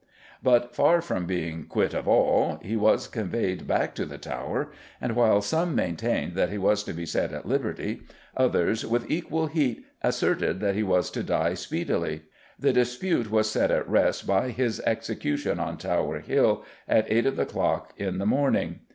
But, far from being "quitte of all" he was conveyed back to the Tower, and while some maintained that he was to be set at liberty, others with equal heat asserted that he was to die speedily. The dispute was set at rest by his execution on Tower Hill, "at eight of ye clok in the morning."